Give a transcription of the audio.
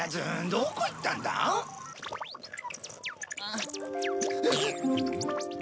どこ行ったんだ？うわ！